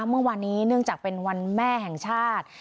เมื่อวานนี้เนื่องจากเป็นวันแม่แห่งชาติ